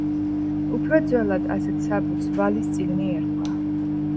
უფრო ძველად ასეთ საბუთს „ვალის წიგნი“ ერქვა.